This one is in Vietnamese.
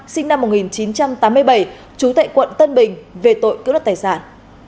sinh năm một nghìn chín trăm tám mươi bảy trú tại quận tân bình về tội cướp đất tài sản